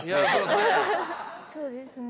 そうですね。